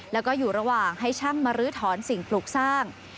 แล้วก็อยู่ระหว่างให้ช่างมาลื้อถอนสิ่งปลูกสร้าง